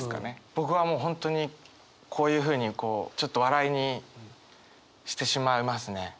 僕はもう本当にこういうふうにこうちょっと笑いにしてしまいますね。